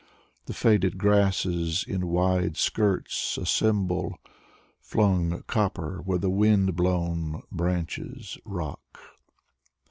The faded grasses in wide skirts assemble Flung copper where the wind blown branches rock.